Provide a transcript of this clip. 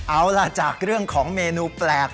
เอาล่ะจากเรื่องของเมนูแปลก